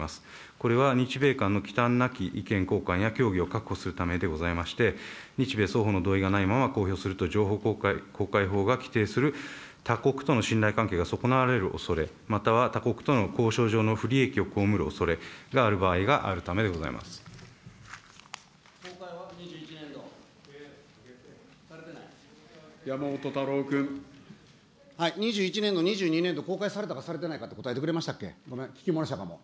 これは日米間のきたんなき意見交換や協議を確保するためでございまして、日米双方の同意がないまま公表すると情報公開法が規定する他国との信頼関係が損なわれるおそれ、または他国との交渉上の不利益を被るおそれがある場合があるため山本太郎君。２１年度、２２年度、公開されたかされてないかって答えてくれてましたっけ。